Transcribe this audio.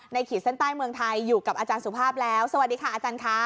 ขีดเส้นใต้เมืองไทยอยู่กับอาจารย์สุภาพแล้วสวัสดีค่ะอาจารย์ค่ะ